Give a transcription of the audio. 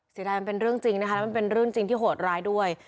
เสียดายมันเป็นเรื่องจริงนะคะแล้วมันเป็นเรื่องจริงที่โหดร้ายด้วย